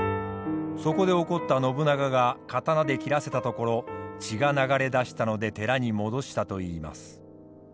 そこで怒った信長が刀で切らせたところ血が流れ出したので寺に戻したといいます。